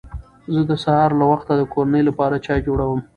زه د سهار له وخته د کورنۍ لپاره چای جوړوم